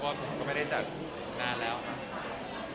ครับว่าก็ไม่ได้จากนานแล้วนะครับ